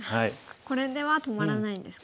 これでは止まらないんですか。